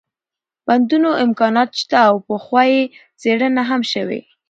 بندونو امكانات شته او پخوا يې څېړنه هم شوې